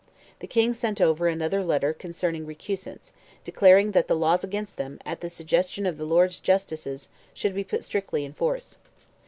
The King sent over another letter concerning recusants, declaring that the laws against them, at the suggestion of the Lords Justices, should be put strictly in force.